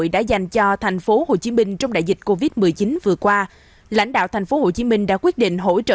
đã dành cho tp hcm trong đại dịch covid một mươi chín vừa qua lãnh đạo tp hcm đã quyết định hỗ trợ